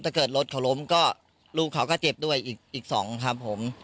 ถ้าเกิดรถเขาล้มก็ลูกเขาก็เจ็บด้วยอีกสองครับผม